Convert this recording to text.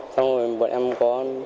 xong rồi bọn em có